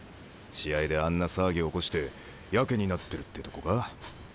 試合であんな騒ぎ起こしてやけになってるってとこか。